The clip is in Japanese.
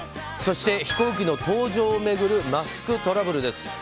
そして飛行機の搭乗を巡るマスクトラブルです。